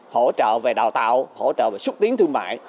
hỗ trợ về đào tạo hỗ trợ về xúc tiến thương mại